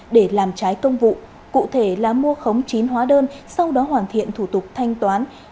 để làm trái công vụ cụ thể là mua khống chín hóa đơn sau đó hoàn thiện thủ tục thanh toán